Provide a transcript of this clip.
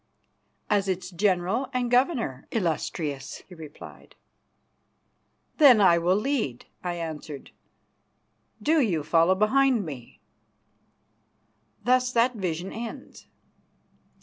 "As its General and Governor, Illustrious," he replied. "Then I will lead," I answered, "do you follow behind me." Thus that vision ends.